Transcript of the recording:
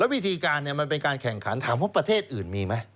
วิธีการมันเป็นการแข่งขันถามว่าประเทศอื่นมีไหม